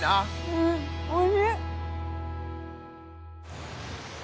うんおいしい。